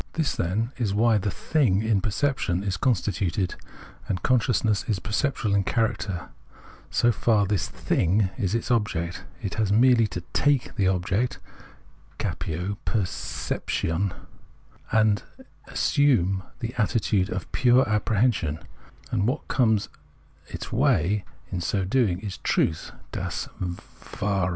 This, then, is the way the " Thing " in perception is constituted, and consciousness is perceptual in character so far as this " Thing '"' is its object : it has merely to " take " the object [ccvpio — ^QT eeption'] and assume the attitude of pure apprehension, and what comes its way in so doing is truth {das Wahre).